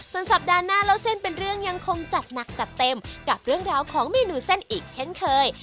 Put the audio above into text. ส่วนสัปดาห์หน้าเล่าเส้นเป็นเรื่องยังคงจัดหนักจัดเต็มกับเรื่องราวของเมนูเส้นอีกเช่นเคย